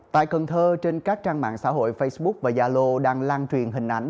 tại cần thơ trên các trang mạng xã hội facebook và già lô đang lan truyền hình ảnh